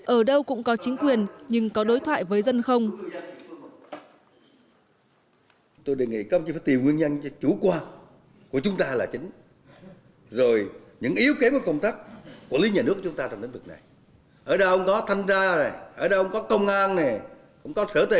ở đâu cũng có chính quyền nhưng có đối thoại với dân không